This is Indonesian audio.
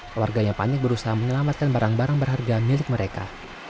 keluarganya panik berusaha menyelamatkan barang barang berharga milik mereka